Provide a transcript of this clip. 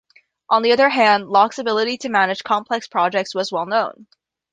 On the other hand, Locke's ability to manage complex projects was well known.